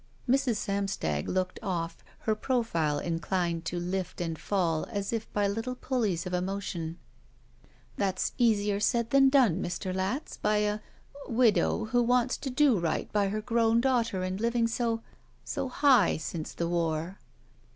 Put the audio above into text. Mrs. Samstag looked off, her profile inclined to lift and fall as if by little pulleys of emotion. "That's easier said than done, Mr. Latz, by a — a widow who wants to do right by her grown daugh ter and living so — ^high since the war."